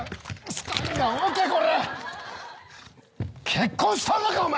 結婚しとんのかお前！